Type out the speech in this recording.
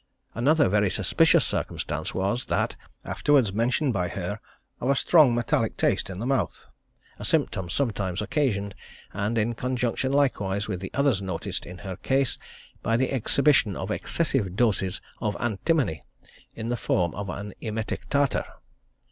Another very suspicious circumstance was that, afterwards mentioned by her, of a strong metallic taste in the mouth, a symptom sometimes occasioned, and in conjunction likewise with the others noticed in her case, by the exhibition of excessive doses of antimony in the form of emetic tartar.